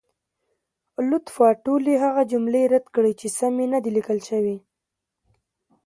لطفا ټولې هغه جملې رد کړئ، چې سمې نه دي لیکل شوې.